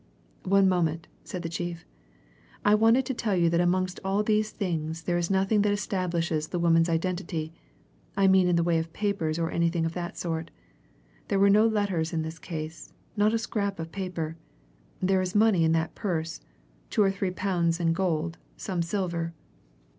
"One moment," said the chief. "I wanted to tell you that amongst all these things there is nothing that establishes the woman's identity I mean in the way of papers or anything of that sort. There were no letters in this case not a scrap of paper. There is money in that purse two or three pounds in gold, some silver.